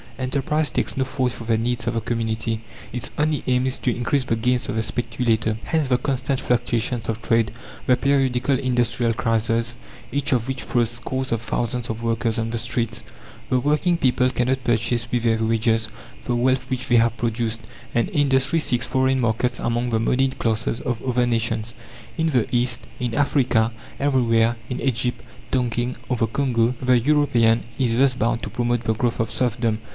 Enterprise takes no thought for the needs of the community. Its only aim is to increase the gains of the speculator. Hence the constant fluctuations of trade, the periodical industrial crises, each of which throws scores of thousands of workers on the streets. The working people cannot purchase with their wages the wealth which they have produced, and industry seeks foreign markets among the monied classes of other nations. In the East, in Africa, everywhere, in Egypt, Tonkin or the Congo, the European is thus bound to promote the growth of serfdom.